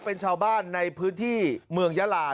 เป็นชาวบ้านในพื้นที่เมืองยาลา